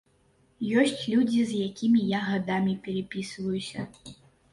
Ёсць людзі, з якімі я гадамі перапісваюся.